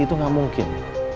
itu gak mungkin